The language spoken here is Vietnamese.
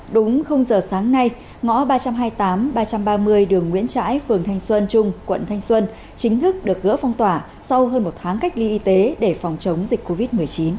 đúng giờ sáng nay ngõ ba trăm hai mươi tám ba trăm ba mươi đường nguyễn trãi phường thanh xuân trung quận thanh xuân chính thức được gỡ phong tỏa sau hơn một tháng cách ly y tế để phòng chống dịch covid một mươi chín